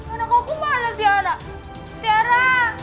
anak aku mohon dari tiara